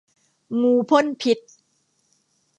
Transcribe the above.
งูพ่นพิษ